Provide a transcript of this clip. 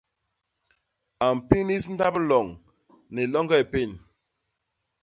A mpinis ndap loñ ni loñge i pén.